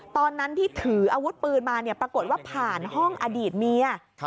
ตอนนั้นที่ถืออาวุธปืนมาปรากฏว่าผ่านห้องอดีตเมีย